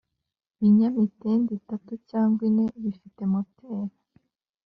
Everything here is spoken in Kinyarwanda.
binyamitende itatu cyangwa ine bifite moteri